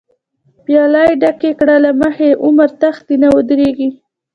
پیالی ډکی کړه له مخی، عمر تښتی نه ودریږی